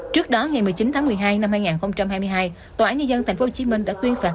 trước đó ngày một mươi chín tháng một mươi hai năm hai nghìn hai mươi hai tòa án nhân dân tp hcm đã tuyên phạt